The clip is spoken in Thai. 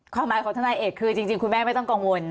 ความหมายของทนายเอกคือจริงคุณแม่ไม่ต้องกังวล